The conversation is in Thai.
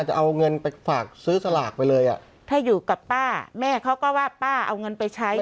จะเอาเงินไปฝากซื้อสลากไปเลยอ่ะถ้าอยู่กับป้าแม่เขาก็ว่าป้าเอาเงินไปใช้